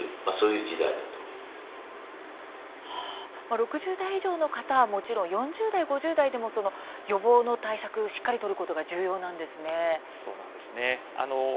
６０代以上の方はもちろん４０代、５０代でも予防対策をしっかり取ることが重要なんですね。